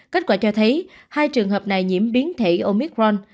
kết quả cho thấy hai trường hợp này nhiễm biến thể omicron